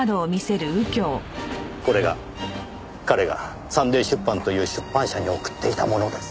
これが彼がサンデー出版という出版社に送っていたものです。